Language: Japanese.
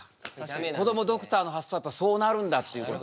こどもドクターの発想はそうなるんだっていうこと。